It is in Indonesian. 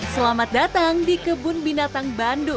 selamat datang di kebun binatang bandung